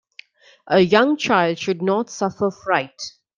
A young child should not suffer fright.